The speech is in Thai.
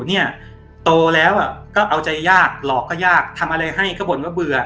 เนี่ยโตแล้วก็เอาใจยากหลอกก็ยากทำอะไรให้ก็บ่นว่าเบื่อ